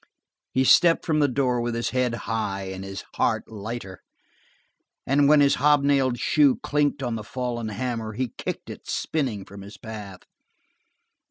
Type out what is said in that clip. He stepped from the door with his, head high and his heart lighter, and when his hobnailed shoe clinked on the fallen hammer he kicked it spinning from his path.